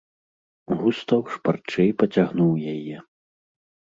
Густаў шпарчэй пацягнуў яе.